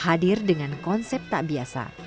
hadir dengan konsep tak biasa